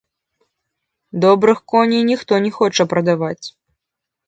Добрых коней ніхто не хоча прадаваць.